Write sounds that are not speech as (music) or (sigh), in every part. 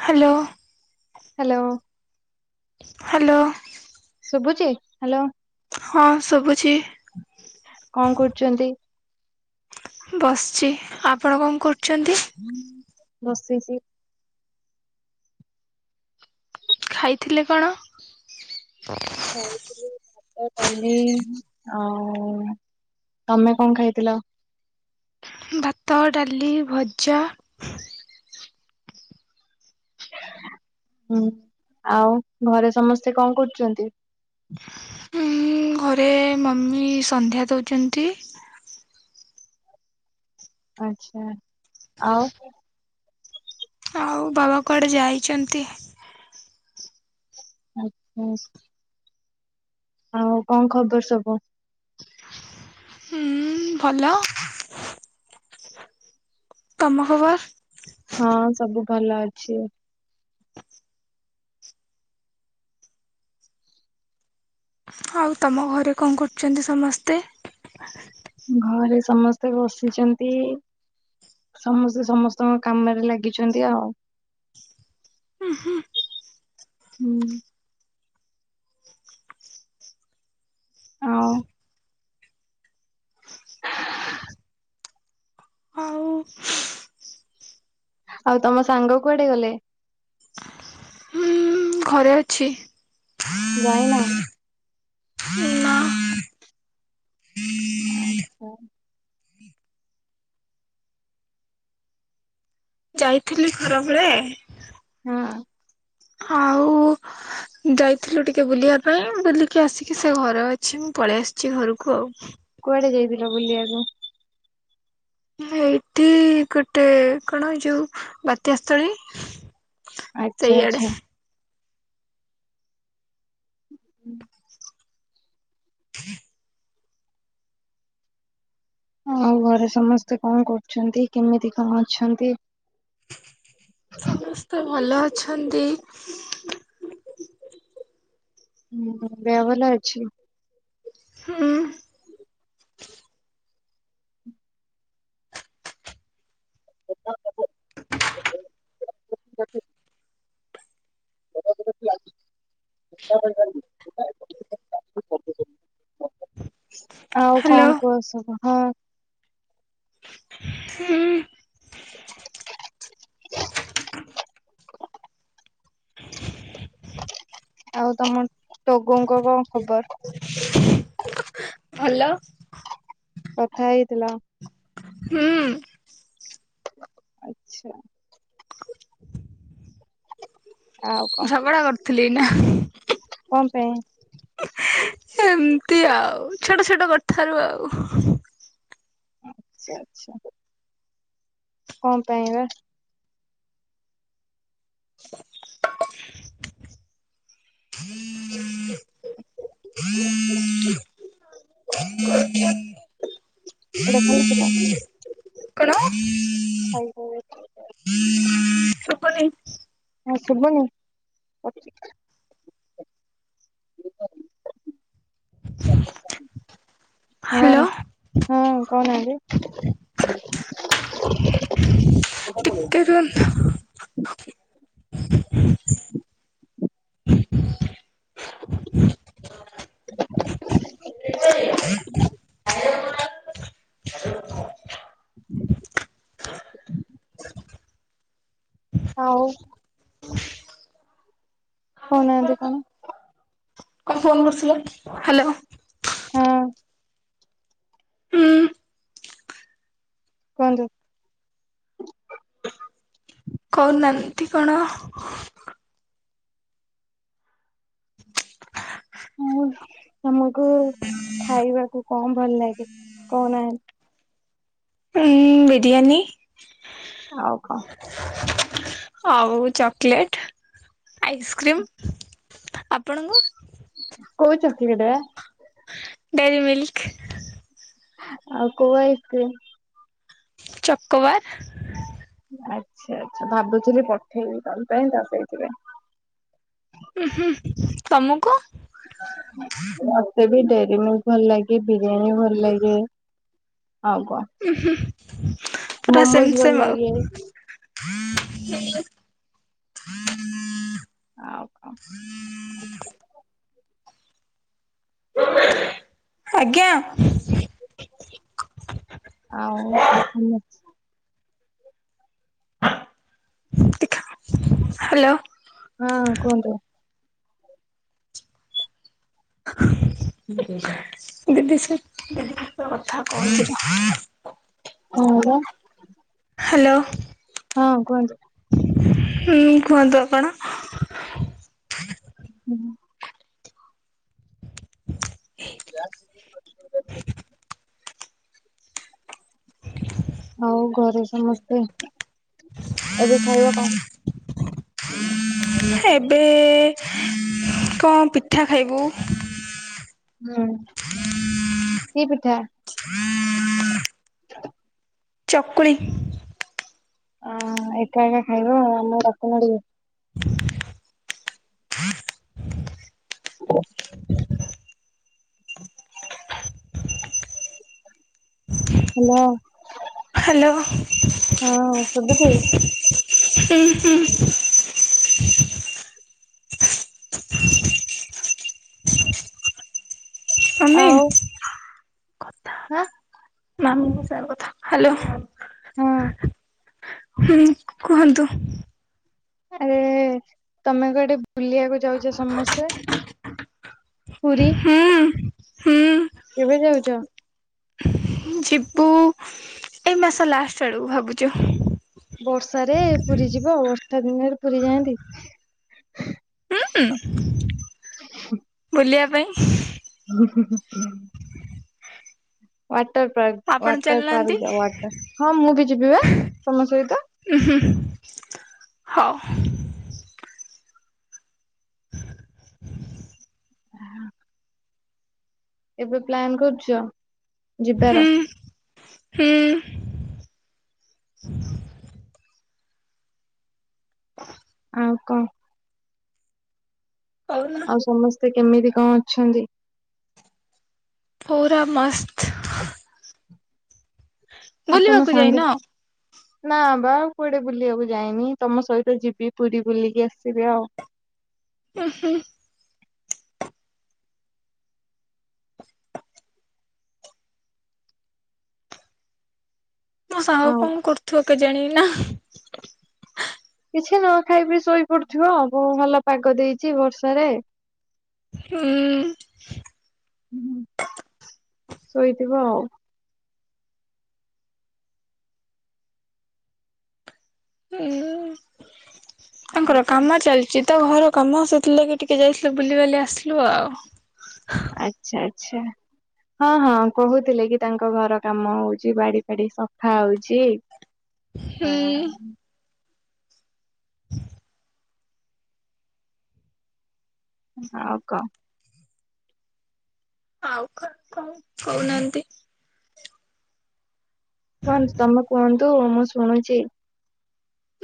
Hello. Hello. Hello ଶୁଭୁଚି hello. ଶୁଭୁଛି କଣ କରୁଛନ୍ତି? ବସିଛି ଆପଣ କଣ କରୁଛନ୍ତି? ବସିଛି। ଖାଇଥିଲେ କଣ? ଖାଇଥିଲି ଭାତ, ଡ଼ାଲି ଆଉ ତମେ କଣ ଖାଇଥିଲ? ଭାତ, ଡାଲି, ଭଜା ହୁଁ ଆଉ ଘରେ ସମସ୍ତେ କଣ କରୁଛନ୍ତି? ଉଁ ଘରେ ମମି ସନ୍ଧ୍ୟା ଦଉଛନ୍ତି ଆଛା ଆଉ? ଆଉ ବାବା କୁଆଡେ ଯାଇଛନ୍ତି। ଆଚ୍ଛା ଆଚ୍ଛା। ଆଉ କଣ ଖବର ସବୁ? ଉଁ ଭଲ। ତମ ଖବର? ହଁ ସବୁ ଭଲ ଅଛି ଆଉ। ଆଉ ତମ ଘରେ କଣ କରୁଛନ୍ତି ସମସ୍ତେ? ଘରେ ସମସ୍ତେ ବସିଛନ୍ତି। ସମସ୍ତେ ସମସ୍ତଙ୍କ କାମରେ ଲାଗିଛନ୍ତି ଆଉ। ଉଁ ହୁଁ। ହୁଁ। ଆଉ ଆଉ ଆଉ ତମ ସାଙ୍ଗ କୁଆଡେ ଗଲେ? ହଁ ଘରେ ଅଛି। ଯାଇନ? ନା ଆଛା। ଯାଇଥିଲି ଖରାବେଳେ। ହଁ। ଆଉ ଯାଇଥିଲୁ ଟିକେ ବୁଲିଆ ପାଇଁ ବୁଲିକି ଆସିକି ସେ ଘରେ ଅଛି ମୁଁ ପଳେଇ ଆସିଛି ଘରକୁ ଆଉ। କୁଆଡେ ଯାଇଥିଲ ବୁଲିବାକୁ? ହେ ଏଇଠି ଗୋଟେ କଣ ଏ ଯୋଉ ବାତ୍ୟା ସ୍ଥଳୀ ଆଚ୍ଛା ଆଚ୍ଛା। ହୁଁ। (inaudible) ଆଉ ଘରେ ସମସ୍ତେ କଣ କରୁଛନ୍ତି କେମିତି କଣ ଅଛନ୍ତି? ସମସ୍ତେ ଭଲ ଅ ଅଛନ୍ତି ହୁଁ ଦେହ ଭଲ ଅଛି? ହୁଁ। (unintelligible) (unintelligible) (unintelligible) ଆଉ କଣ ହ୍ୟାଲୋ କୁହ ସବୁ? ହଁ ହୁଁ। (inaudible) ଆଉ ତମ ଟୋଗୋଙ୍କ କଣ ଖବର? ଭଲ। କଥା ହେଇଥିଲ। ହୁଁ ଉଁ ଆଛା। (unintelligible) ଆଉ କଣ ଝଗଡା କରୁଥିଲି ନା କଣ ପାଇଁ? ଏମିତି ଆଉ ଛୋଟ ଛୋଟ କଥାରୁ ଆଉ ଆଛା, ଆଛା। କଣ ପାଇଁବା? (unintelligible) (unintelligible) (unintelligible) ଏଇଟା ଖାଲି ସେଟା। କଣ (unintelligible) ଶୁଭୁନି। ହଁ ଶୁଭୁନି। (unintelligible) ହ୍ୟାଲୋ ହଁ ହଁ କହୁନାହାନ୍ତି? ଟିକେ ରୁହନ୍ତୁ। (unintelligible) (unintelligible) (unintelligible) ହଉ କହୁନାହାନ୍ତି କଣ? କଣ ଫୋନ କରୁଥିଲ? ହାଲୋ ହଁ ହୁଁ କୁହନ୍ତୁ? କହୁନାହାନ୍ତି କଣ? ଆଉ ତମକୁ ଖାଇବାକୁ କଣ ଭଲ ଲାଗେ? କହୁନାହାନ୍ତି? ଉଁ ବିରିୟାନୀ। ଆଉ କଣ? ଆଉ ଚକୋଲେଟ, ଆଇସ୍କ୍ରିମ୍, ଆ କଉ ଚକଲେଟ ବା। Dairy Milk. ଆଉ କୋଉ ଚକୋବାର ଆଛା ଆଛା ଭାବୁଥିଲି ପଠେଇବି ତମ ପାଇଁ (inaudible) ହୁଁ ହୁଁ ତମକୁ ମତେ ବି ଡେ ଭଲ ଲାଗେ ବିରିୟାନୀ ଭଲ ଲାଗେ। ଆଉ କଣ ଉୁଁ ହୁଁ ପୁରା ମୋମୋଜ ସେମ ଭଲ ସେମ ଆଉ ଲାଗେ। (unintelligible) ଆଉ କ ଆଜ୍ଞା। ଆଉ ହାଲୋ ହଁ କୁହନ୍ତୁ? (inaudible) ଦିଦି ସେ ଦ କଥା କହୁ। ହ ହଁ ହ୍ୟାଲୋ କୁହନ୍ତୁ। ହୁଁ କୁହନ୍ତୁ ଆଉ କଣ? ହୁଁ। (inaudible) (inaudible) ଆଉ ଘରେ ସମସ୍ତେ, ଏବେ ଖାଇବା କଣ? ଏବେ କଣ ପିଠା ଖାଇବୁ। ହୁଁ କି ପିଠା? (inaudible) ଚକୁଳି ଅ ଏକା ଏକା ଖାଇବ ଆମକୁ ଡାକୁନ ଟିକେ। (inaudible) ହ୍ୟାଲୋ ହଁ ହ୍ୟାଲୋ ଶୁଭୁଛି? ହୁଁ ହୁଁ। ଆମେ ହାଁ ନ ମୁଁ ସାର୍ କଥା ହ୍ୟାଲୋ ହଁ ହୁଁ କୁହନ୍ତୁ। ଆରେ ତମେ ଗୋଟେ ବୁଲିବାକୁ ଯାଉଛେ ସମସ୍ତେ ପୁରୀ ହୁଁ ହୁଁ କେବେ ଯାଉଛ? ଯିବୁ ଏଇ ମାସ ଲାଷ୍ଟ ଆଡକୁ ଭାବୁଛୁ। ବର୍ଷାରେ ପୁରୀ ଯିବ ଆଉ, ବର୍ଷା ଦିନରେ ପୁରୀ ଯାଆନ୍ତି। ହୁଁ ହୁଁ ବୁଲିବା ପାଇଁ। ହୁଁ ହୁ ହୁଁ। (inaudible) (unintelligible) ୱାଟର ପାର୍କ, ଆପଣ ୱାଟର ପାର୍କ ଚାଲୁନାହାନ୍ତି ଯାଅ ୱାଟର, ହଁ ମୁଁ ବି ଯିବି ବା ତମ ସହିତ। (inaudible) ହୋଉ। (unintelligible) ଏବେ ପ୍ଲାନ୍ କରୁଛ ଯିବାର ହୁଁ ହୁଁ। (inaudible) ଆଉ କ କହୁନ ଆଉ ସମସ୍ତେ କେମିତି କଣ ଅଛନ୍ତି? ପୁରା ମସ୍ତ। ଆଉ ତମ ବୁଲିବାକୁ ସାଙ୍ଗ ଯାଇନ? ନା ବା କୁଆଡେ ବୁଲିବାକୁ ଯାଇନି, ତମ ସହିତ ଯିବି ପୁରୀ ବୁଲିକି ଆସିବି ଆଉ। (inaudible) ଉମଂ ହୁଁ। ମୋ ସାଙ୍ଗ ଆଉ କଣ କରୁଥିବ କେଜାଣି ନା କିଛି ନୁହଁ ଖାଇ ପି ଶୋଇପଡୁଥିବ ମୁଁ ଭଲ ପାଗ ଦେଇଛି ବର୍ଷାରେ। ଉଁ ଶୋଇଥିବ ଆଉ। ହୁଁ ଆଉ ତାଙ୍କର କଣ? କାମ ଚାଲିଚି ତ ଘର କାମ ସେଥିଲାଗି ଟିକେ ଯାଇଥିଲୁ ବୁଲିିବାଲି ଆସିଲୁ ଆଉ। ଆଚ୍ଛା ଆଚ୍ଛା। ହଁ ହଁ କହୁଥିଲେ କି ତାଙ୍କ ଘର କାମ ହଉଛି, ବାଡି ଫାଡି ସଫା ହଉଛି। ହୁଁ ଆଁ ଆଉ କ ଆଉ କଣ କଣ କହୁନାହାନ୍ତି। କଣ ତମେ କୁହନ୍ତୁ, ମୁଁ ଶୁଣୁଛି।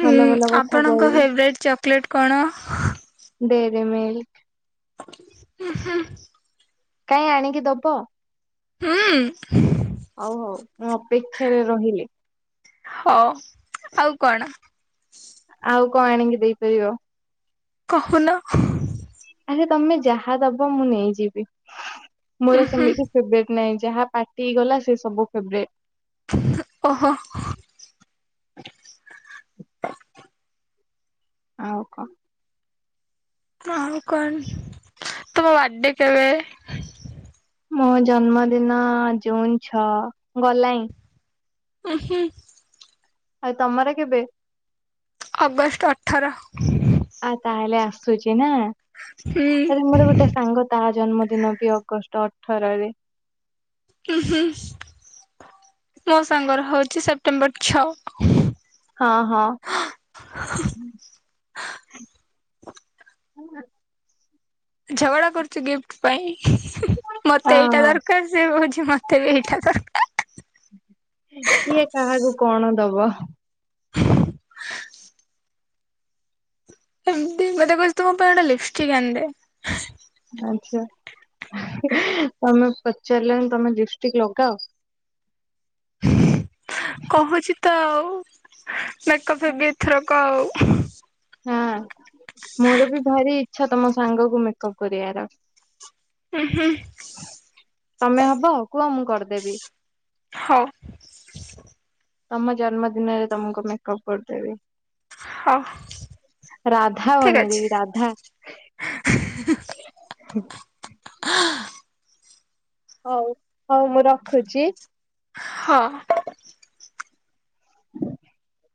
ହୁଁ ଭଲ ଭଲ କଥା ଆପଣଙ୍କ କହିବ। ଫେବରାଇଟ୍ ଚକୋଲେଟ୍ କଣ? ଡେରିମିଲ୍କ। ଉଁ ହୁଁ। କାଇଁ ଆଣିକି ଦବ? ହୁଁ। ହଉ ହଉ ମୁଁ ଅପେକ୍ଷାରେ ରହିଲି ହଁ ଆଉ କଣ। ଆଉ କଣ ଆଣିକି ଦେଇପାରିବ? କହୁନ। ଆରେ ତମେ ଯାହା ଦବ ମୁଁ ନେଇଯିବି ମୋର ସେମିତି ଫେବରେଟ୍ ନାଇଁ। ଯାହା ପାଟିକୁ ଗଲା ସେ ସବୁ ଫେବରେଟ୍। ଓହୋ। ଆଉ କଣ? ଆଉ କଣ ତୁମ ବର୍ଡେ କେବେ? ମୋ ଜନ୍ମଦିନ ଜୁନ ଛଅ ଗଲାଇଁ। ଉଁ ହୁଁ। ଆଉ ତମର କେବେ? ଅଗଷ୍ଟ ଅଠର। ଆସୁଚି ନା, ହୁଁ ଆରେ ମୋର ଗୋଟେ ସାଙ୍ଗ ତା ଜନ୍ମଦିନ ବି ଅଗଷ୍ଟ ଅ ଖରାରେ। ସେପଟେମ୍ବର ଛଅ। ହଁ ହଁ। ହୁଁ ଝଗଡା କରୁଛୁ ଗିଫ୍ଟ ପାଇଁ ମତେ ଏଇଟା ହଁ ଦରକାର ସେ କହୁଚି ମତେ ବି ଏଇଟା ଦରକାର। କିଏ କାହାକୁ କଣ ଦବ (inaudible) ଏମତି ମୁଁ ସେଇଥିପାଇଁ କହୁଛି ତୁ ମୋ ପାଇଁ ଗୋଟେ ଲିପଷ୍ଟିକ୍ ଆଣିଦେ। ଆଛା ତମେ ପଚାରିଲନି ତମେ ଲିପଷ୍ଟିକ ଲଗାଅ? କହୁଛି ତ ଆଉ। ମେକଅପ୍ ହେବି ଏଥରକ ଆଉ। ହଁ ମୋର ବି ଭାରି ଇଛା ତମ ସାଙ୍ଗକୁ ମେକଅପ କରିଆର। ତମେ ହବ କୁହ ମୁଁ କରିଦେବି। ହଉ। ତମ ଜନ୍ମଦିନରେ ତମକୁ ମେକଅପ୍ କରିଦେବି। ହଉ ରାଧା ଠିକ ବନେଇ ଅଛି ଦେବି ରାଧା। ହୁଁ। ହଉ ହଉ ମୁଁ ରଖୁଚି। ହଁ। (inaudible)